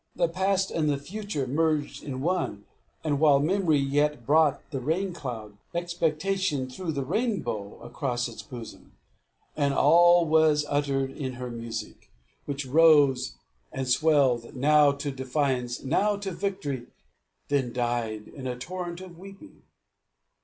The past and the future merged in one; and while memory yet brought the rain cloud, expectation threw the rainbow across its bosom and all was uttered in her music, which rose and swelled, now to defiance, now to victory; then died in a torrent of weeping.